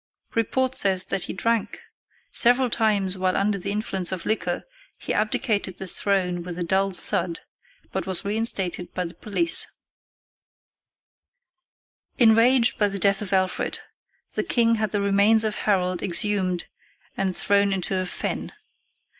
(Report says that he drank! Several times while under the influence of liquor he abdicated the throne with a dull thud, but was reinstated by the Police.) [Illustration: "KING HAROLD IS DEAD, SIRE."] Enraged by the death of Alfred, the king had the remains of Harold exhumed and thrown into a fen.